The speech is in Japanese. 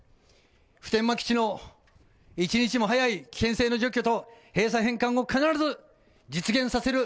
普天間基地の一日も早い危険性の除去と閉鎖、返還も必ず実現させる。